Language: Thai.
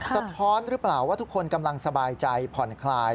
สะท้อนหรือเปล่าว่าทุกคนกำลังสบายใจผ่อนคลาย